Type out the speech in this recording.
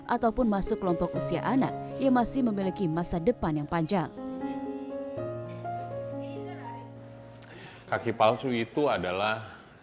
ataupun masuk kelompok usia anak yang masih memiliki masa depan yang panjang kaki palsu itu adalah